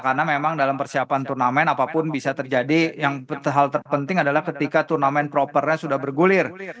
karena memang dalam persiapan turnamen apapun bisa terjadi yang hal terpenting adalah ketika turnamen propernya sudah bergulir